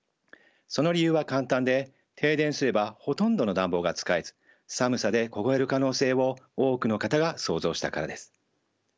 その理由は簡単で停電すればほとんどの暖房が使えず寒さで凍える可能性を多くの方が想像したからです。